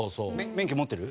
免許持ってる？